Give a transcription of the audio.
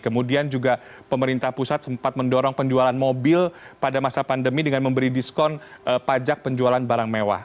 kemudian juga pemerintah pusat sempat mendorong penjualan mobil pada masa pandemi dengan memberi diskon pajak penjualan barang mewah